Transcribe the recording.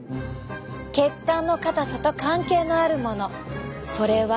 血管の硬さと関係のあるものそれは。